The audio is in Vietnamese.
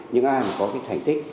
những ai mà có cái thành tích